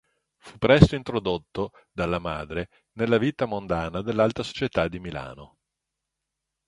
Fu presto introdotto dalla madre nella vita mondana dell'alta società di Milano.